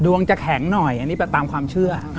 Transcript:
จะแข็งหน่อยอันนี้แบบตามความเชื่อ